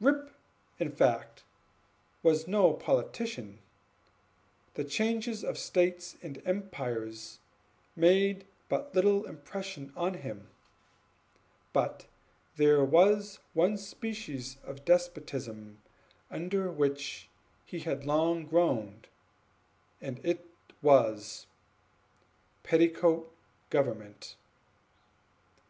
Rip, in fact, was no politician; the changes of states and empires made but little impression on him; but there was one species of despotism under which he had long groaned, and that was petticoat government.